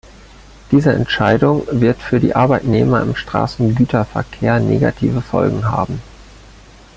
Diese Entscheidung wird für die Arbeitnehmer im Straßengüterverkehr negative Folgen haben.